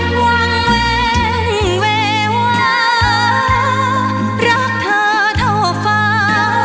วางเวงเวลารักเธอเท่าฟ้า